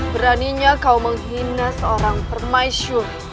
beraninya kau menghina seorang permaisu